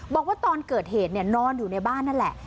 บอกว่าตอนเกิดเหตุนอนอยู่ในบ้านนั่นแหละ